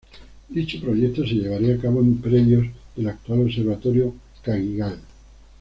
Dicho proyecto se llevaría a cabo en predios del actual Observatorio Cagigal.